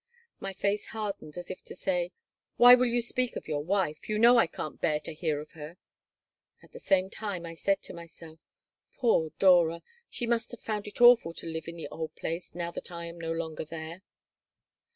My face hardened, as if to say: "Why will you speak of your wife? You know I can't bear to hear of her." At the same time I said to myself: "Poor Dora! She must have found it awful to live in the old place, now that I am no longer there."